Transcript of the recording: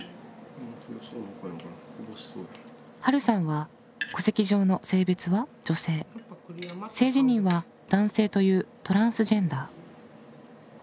はるさんは戸籍上の性別は「女性」性自認は「男性」というトランスジェンダー。